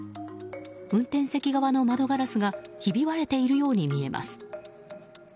運転席側の窓ガラスがひび割れているように見えます。